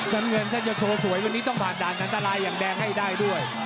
น้ำเงินถ้าจะโชว์สวยวันนี้ต้องผ่านด่านอันตรายอย่างแดงให้ได้ด้วย